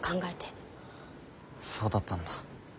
そうだったんだ。